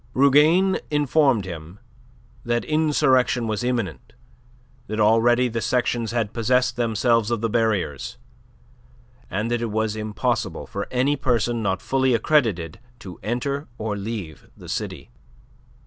Rougane informed him that insurrection was imminent, that already the sections had possessed themselves of the barriers, and that it was impossible for any person not fully accredited to enter or leave the city.